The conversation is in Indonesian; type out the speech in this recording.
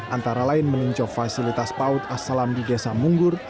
antara lain meninjau fasilitas paut asalam di desa munggur